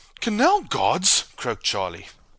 "Canal gods!" croaked Charlie.